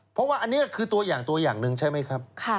เพราะว่าอันนี้คือตัวอย่างตัวอย่างหนึ่งใช่ไหมครับ